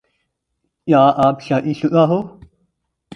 کیا آپ شادی شدہ ہو